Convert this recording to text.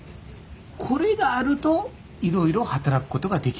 これがあるといろいろ働くことができる。